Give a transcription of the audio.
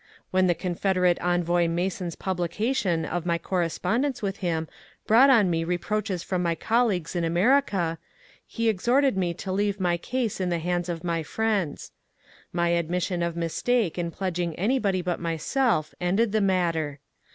When the Con federate envoy Mason's publication of my correspondence with him brought on me reproaches from my colleagues in America, he exhorted me to leave my case in the hands of my friends. My admission of mistake in pledging anybody but myself ended the matter.